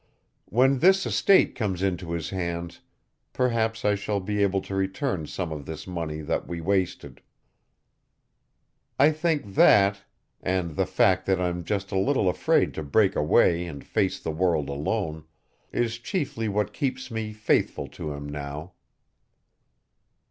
When this estate comes into his hands perhaps I shall be able to return some of this money that we wasted. I think that and the fact that I'm just a little afraid to break away and face the world alone is chiefly what keeps me faithful to him now."